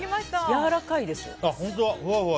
やわらかいです。